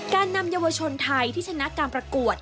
การนำเยาวชนไทยที่ชนะการประกวด